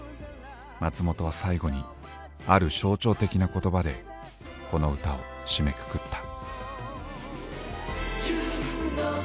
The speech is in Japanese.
松本は最後にある象徴的な言葉でこの歌を締めくくった。